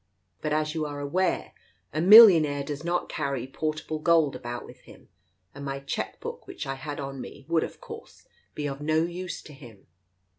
But as you are aware, a millionaire does not carry portable gold about with him, and my cheque book which I had on me would, of course, be of no use to him.